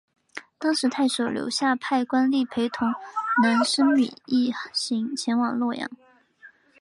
当时太守刘夏派官吏陪同难升米一行前往洛阳。